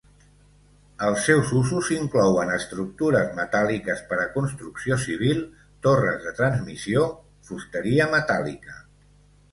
Els seus usos inclouen estructures metàl·liques per a construcció civil, torres de transmissió, fusteria metàl·lica.